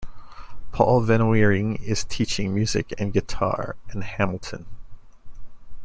Paul VanWering is teaching music and Guitar in Hamilton.